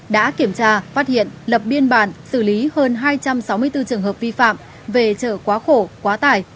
đã kiểm tra phát hiện lập biên bản xử lý hơn hai trăm sáu mươi bốn trường hợp vi phạm về chở quá khổ quá tải